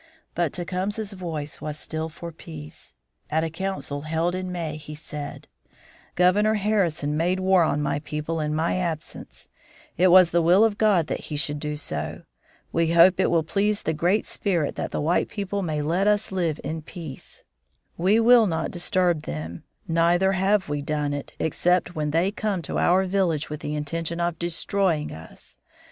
But Tecumseh's voice was still for peace. At a council held in May, he said: "Governor Harrison made war on my people in my absence; it was the will of God that he should do so. We hope it will please the Great Spirit that the white people may let us live in peace. We will not disturb them, neither have we done it, except when they come to our village with the intention of destroying us.